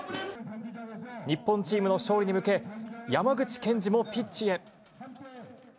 日本チームの勝利に向け、山口検事もピッチへ。